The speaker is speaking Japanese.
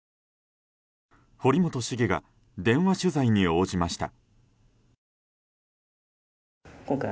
堀本市議が電話取材に応じました。